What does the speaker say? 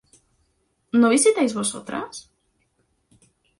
¿No visitáis vosotras?